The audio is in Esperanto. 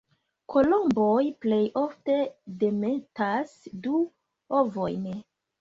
Kolomboj plej ofte demetas du ovojn.